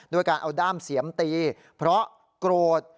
ด้วยการเอาด้ามเสียมตีเพราะโกรธ